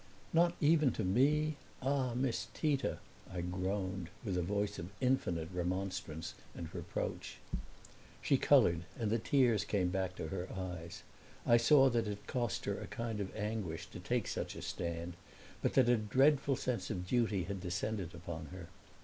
"Not even to me? Ah, Miss Tita!" I groaned, with a voice of infinite remonstrance and reproach. She colored, and the tears came back to her eyes; I saw that it cost her a kind of anguish to take such a stand but that a dreadful sense of duty had descended upon her.